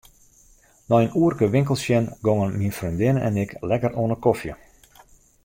Nei in oerke winkels sjen gongen myn freondinne en ik lekker oan 'e kofje.